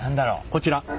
こちら。